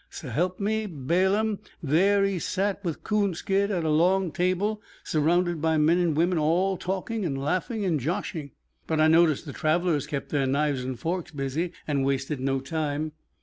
S' help me, Balaam! there he sat with Coonskin at a long table, surrounded by men and women, all talking and laughing and "joshing." But I noticed the travelers kept their knives and forks busy, and wasted no time.